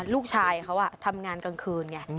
ลูกชายเขาทำงานกลางคืนอย่างนี้